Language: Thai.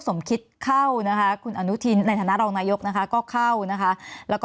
สมคิดเข้านะคะคุณอนุทินในฐานะรองนายกนะคะก็เข้านะคะแล้วก็